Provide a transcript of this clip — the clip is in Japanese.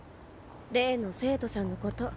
例の生徒さんのこと。